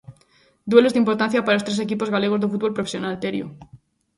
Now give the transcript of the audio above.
Duelos de importancia para os tres equipos galegos do fútbol profesional, Terio.